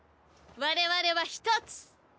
我々は一つ。